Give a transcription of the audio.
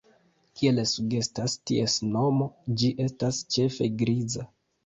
Kiel sugestas ties nomo, ĝi estas ĉefe griza.